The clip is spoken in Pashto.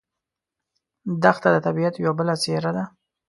دښته د طبیعت یوه بله څېره ده.